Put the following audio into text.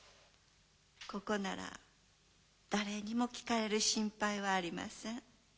ここなら誰にも聞かれる心配はありません。